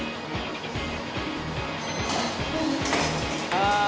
ああ。